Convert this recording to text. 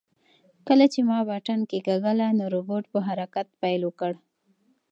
کله چې ما بټن کېکاږله نو روبوټ په حرکت پیل وکړ.